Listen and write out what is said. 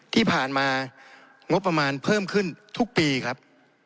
ที่ผ่านมางบประมาณเพิ่มขึ้นทุกปีครับ